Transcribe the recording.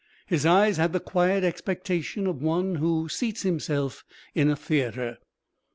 His eyes had the quiet expectation of one who seats himself in a theatre.